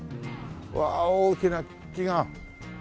わあ大きな木が。